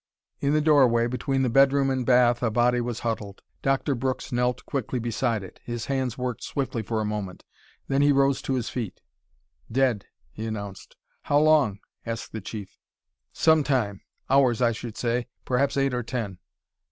In the doorway between the bedroom and bath a body was huddled. Doctor Brooks knelt quickly beside it. His hands worked swiftly for a moment, then he rose to his feet. "Dead," he announced. "How long?" asked the Chief. "Some time. Hours I should say perhaps eight or ten."